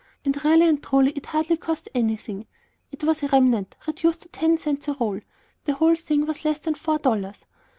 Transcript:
And really and truly it hardly cost anything. It was a remnant reduced to ten cents a roll, the whole thing was less than four dollars.